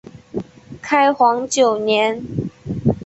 开皇九年。